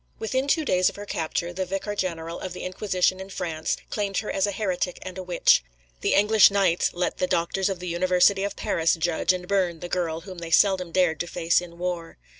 Within two days of her capture, the Vicar General of the Inquisition in France claimed her as a heretic and a witch. The English knights let the doctors of the University of Paris judge and burn the girl whom they seldom dared to face in war.